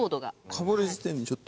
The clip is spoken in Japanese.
かぶる時点でちょっと。